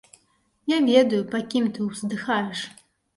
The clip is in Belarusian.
Я ведаю, па кім ты ўздыхаеш.